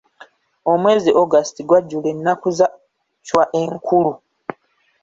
Omwezi August gwajjula ennaku za Chwa enkulu.